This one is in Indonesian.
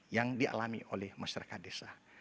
yang dialami oleh masyarakat desa